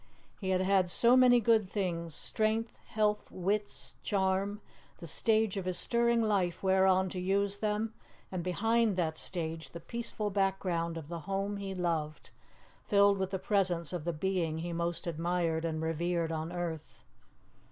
He had had so many good things strength, health, wits, charm; the stage of his stirring life whereon to use them, and behind that stage the peaceful background of the home he loved, filled with the presence of the being he most admired and revered on earth.